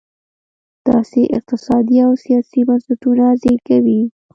داسې اقتصادي او سیاسي بنسټونه زېږوي.